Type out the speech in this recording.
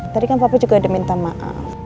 tadi kan papa juga ada minta maaf